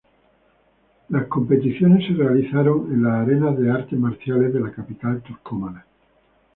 Las competiciones se realizaron en la Arena de Artes Marciales de la capital turcomana.